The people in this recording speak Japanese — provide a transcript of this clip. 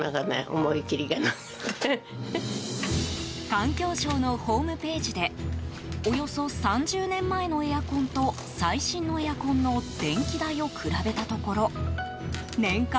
環境省のホームページでおよそ３０年前のエアコンと最新のエアコンの電気代を比べたところ年間